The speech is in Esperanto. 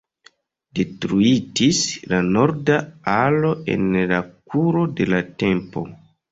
Detruitis la norda alo en la kuro de la tempo.